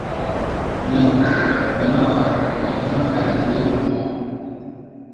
wanaoathiriwa uambukizaji